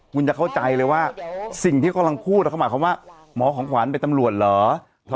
คุณจะเข้าใจเลยว่าสิ่งที่กำลังพูดเขาหมายความว่าหมอของขวัญเป็นตำรวจเหรอ